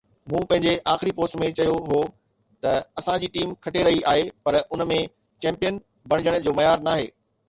مون پنهنجي آخري پوسٽ ۾ چيو هو ته اسان جي ٽيم کٽي رهي آهي پر ان ۾ چيمپيئن بڻجڻ جو معيار ناهي